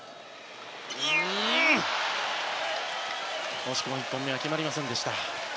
惜しくも１本目は決まりません。